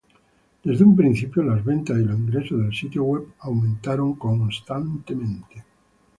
Desde un principio, las ventas y los ingresos del sitio web aumentaron constantemente.